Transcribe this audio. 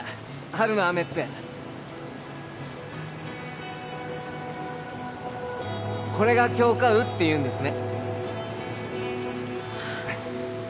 春の雨ってこれが杏花雨っていうんですね